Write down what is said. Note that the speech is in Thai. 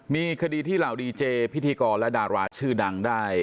มีคดีที่เหล่าดีเจพิธีกรและดาราชื่อดังได้